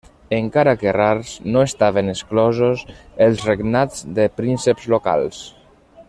Encara que rars, no estaven exclosos els regnats de prínceps locals.